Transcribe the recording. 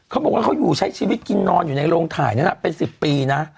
เขาบอกว่าเขาอยู่ใช้ชีวิตกินนอนอยู่ในโรงถ่ายนั้นเป็น๑๐ปีนะ